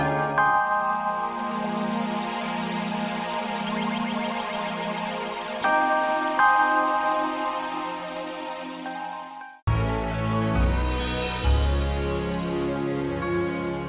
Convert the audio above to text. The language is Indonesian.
sampai jumpa lagi